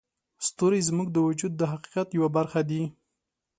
ستوري زموږ د وجود د حقیقت یوه برخه دي.